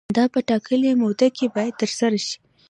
دا په ټاکلې موده کې باید ترسره شي.